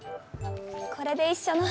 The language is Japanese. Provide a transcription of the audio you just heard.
これで一緒の。